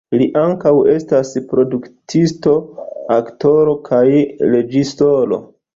Li ankaŭ estas produktisto, aktoro, kaj reĝisoro.